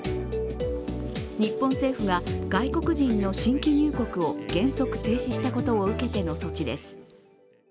日本政府が外国人の新規入国を原則停止したことを受けての措置です。